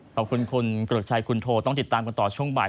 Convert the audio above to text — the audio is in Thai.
ขอบคุณคุณเกริกชัยคุณโทต้องติดตามกันต่อช่วงบ่าย